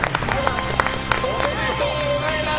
ありがとうございます！